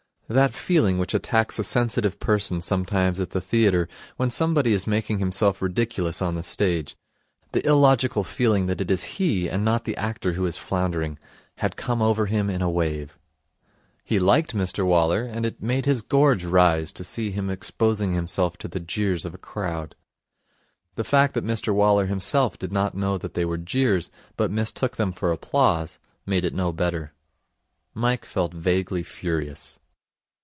That feeling which attacks a sensitive person sometimes at the theatre when somebody is making himself ridiculous on the stage the illogical feeling that it is he and not the actor who is floundering had come over him in a wave. He liked Mr Waller, and it made his gorge rise to see him exposing himself to the jeers of a crowd. The fact that Mr Waller himself did not know that they were jeers, but mistook them for applause, made it no better. Mike felt vaguely furious.